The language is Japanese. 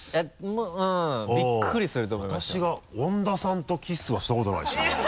恩田さんとキスはしたことないしな。